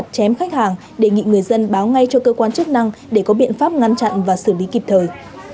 chém khách hàng đề nghị người dân báo ngay cho cơ quan chức năng để có biện pháp ngăn chặn và xử lý kịp thời